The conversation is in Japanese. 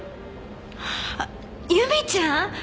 あっ由美ちゃん？